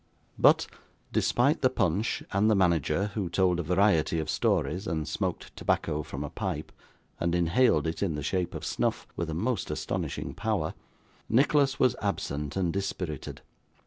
But, despite the punch and the manager, who told a variety of stories, and smoked tobacco from a pipe, and inhaled it in the shape of snuff, with a most astonishing power, Nicholas was absent and dispirited.